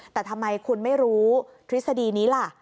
แต่ทำไมคุณไม่รู้ทฤษฎีนี้ล่ะ